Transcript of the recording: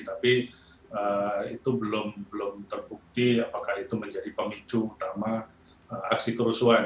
tapi itu belum terbukti apakah itu menjadi pemicu utama aksi kerusuhan